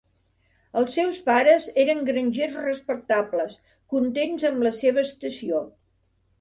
Els seus pares eren grangers respectables, contents amb la seva estació.